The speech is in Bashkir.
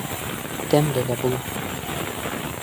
Тәмле лә була